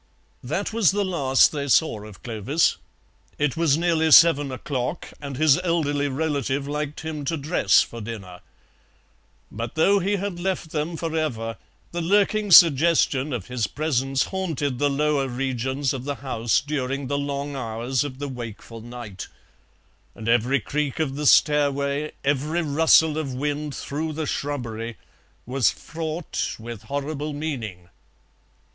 That was the last they saw of Clovis; it was nearly seven o'clock, and his elderly relative liked him to dress for dinner. But, though he had left them for ever, the lurking suggestion of his presence haunted the lower regions of the house during the long hours of the wakeful night, and every creak of the stairway, every rustle of wind through the shrubbery, was fraught with horrible meaning.